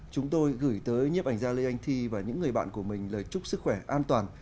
chúng tôi gửi tới nhiếp ảnh gia lê anh thi và những người bạn của mình lời chúc sức khỏe an toàn